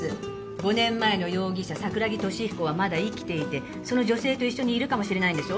５年前の容疑者桜木敏彦はまだ生きていてその女性と一緒にいるかもしれないんでしょ？